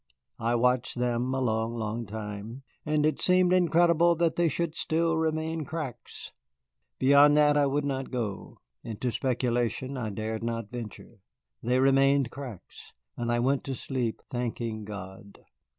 I watched them a long, long time, and it seemed incredible that they should still remain cracks. Beyond that I would not go, into speculation I dared not venture. They remained cracks, and I went to sleep thanking God.